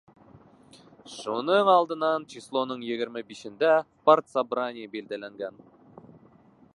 Шуның алдынан, числоның егерме бишендә, партсобрание билдәләнгән.